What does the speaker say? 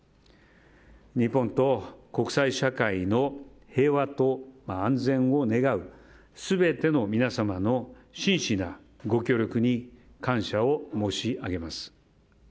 日本と国際社会の平和と安全を願う全ての皆様の真摯なご協力に感謝を申し上げます。